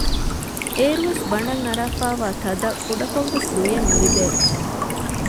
އޭރުވެސް ބަނޑަށް އަރާފައިވާ ތަދަށް ކުޑަކޮށްވެސް ލުޔެއް ނުލިބޭ